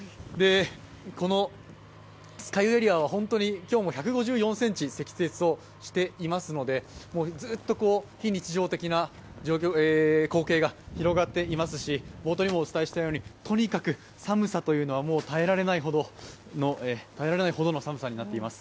この酸ヶ湯エリアは今日も１５４ｃｍ積雪がしていますのでずっと非日常的な光景が広がっていますし冒頭にもお伝えしたようにとにかく耐えられないほどの寒さになっています。